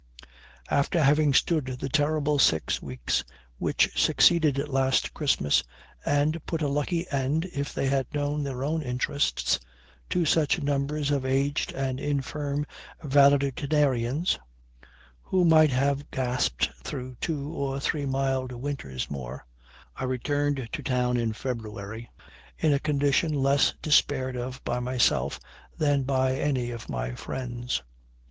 After having stood the terrible six weeks which succeeded last Christmas, and put a lucky end, if they had known their own interests, to such numbers of aged and infirm valetudinarians, who might have gasped through two or three mild winters more, I returned to town in February, in a condition less despaired of by myself than by any of my friends.